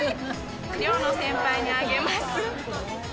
寮の先輩にあげます。